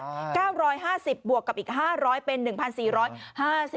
๙๕๐บาทบวกกับอีก๕๐๐เป็น๑๔๕๐บาท